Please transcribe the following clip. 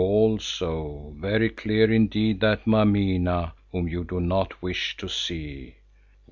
Also very clear indeed that Mameena whom you do not wish to see.